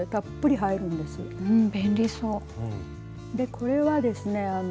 これはですね